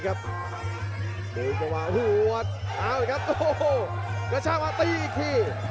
แล้วช่างมาตีอีกที